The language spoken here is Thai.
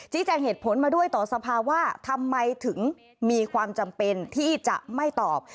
แจ้งเหตุผลมาด้วยต่อสภาว่าทำไมถึงมีความจำเป็นที่จะไม่ตอบ